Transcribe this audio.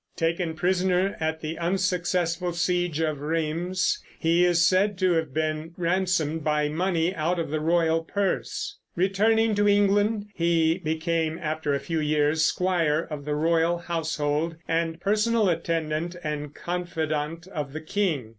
Taken prisoner at the unsuccessful siege of Rheims, he is said to have been ransomed by money out of the royal purse. Returning to England, he became after a few years squire of the royal household, the personal attendant and confidant of the king.